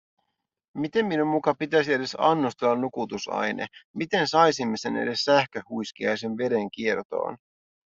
Miten minun muka pitäisi edes annostella nukutusaine… Miten saisimme sen edes sähköhuiskiaisen verenkiertoon?